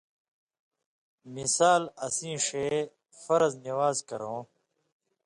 مِثال اسیں ݜے فَرض نِوان٘ز کرؤں،